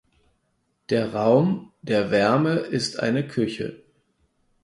Der Raum der Wärme ist eine Küche.